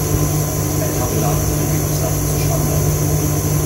Ein tabellarischer Lebenslauf ist Standard.